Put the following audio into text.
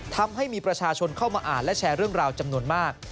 ทำให้มีประชาชนเข้ามาอ่านและแชร์เรื่องราวจำนวนมาก